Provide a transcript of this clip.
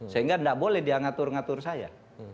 sehingga tidak boleh dia ngatur ngatur saya